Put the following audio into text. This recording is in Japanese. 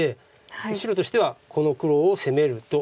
白としてはこの黒を攻めると思った。